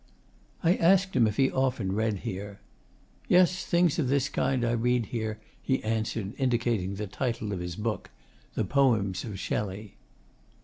I asked him if he often read here. 'Yes; things of this kind I read here,' he answered, indicating the title of his book 'The Poems of Shelley.